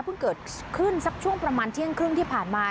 เกิดขึ้นสักช่วงประมาณเที่ยงครึ่งที่ผ่านมา